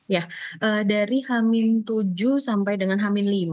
ya dari hamin tujuh sampai dengan hamin lima